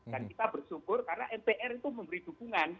dan kita bersyukur karena mpr itu memberi dukungan